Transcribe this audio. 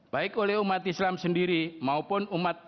baik oleh umat islam sendiri maupun